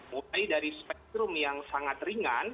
mulai dari spektrum yang sangat ringan